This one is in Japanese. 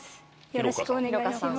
よろしくお願いします